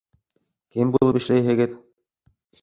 Кем булып эшләйһегеҙ?